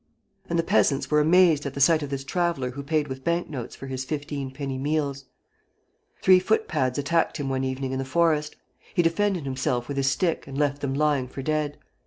And the peasants were amazed at the sight of this traveller who paid with bank notes for his fifteen penny meals. Three foot pads attacked him one evening in the forest. He defended himself with his stick and left them lying for dead.